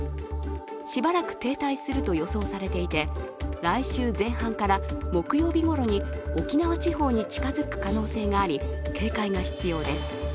しばらく停滞すると予想されていて、来週前半から木曜日ごろに沖縄地方に近づく可能性があり、警戒が必要です。